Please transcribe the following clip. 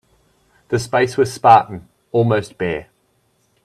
The space was spartan, almost bare.